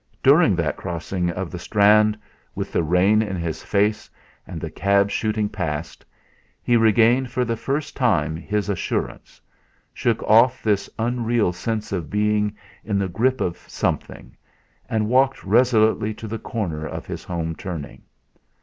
During that crossing of the Strand, with the rain in his face and the cabs shooting past, he regained for the first time his assurance, shook off this unreal sense of being in the grip of something, and walked resolutely to the corner of his home turning.